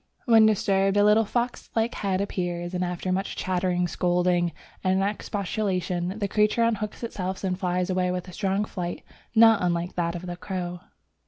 When disturbed a little fox like head appears, and after much chattering, scolding, and expostulation, the creature unhooks itself and flies away with a strong flight not unlike that of a crow.